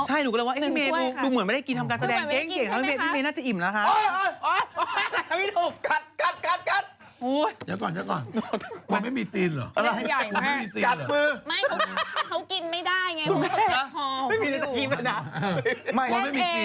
ใช่ฉันก็เรียกว่าพี่เมย์มีตัวเหมือนไม่ได้กิน